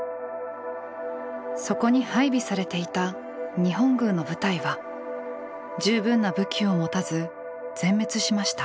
そこに配備されていた日本軍の部隊は十分な武器を持たず全滅しました。